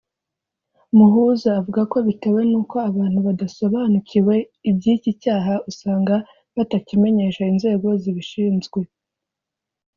Muhumuza avuga ko bitewe n’uko abantu badasobanukiwe iby’iki cyaha usanga batakimenyesha inzego zibishinzwe